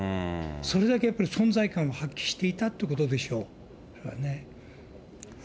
それだけやっぱり存在感を発揮していたということでしょうね。